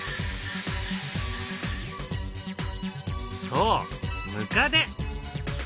そうムカデ！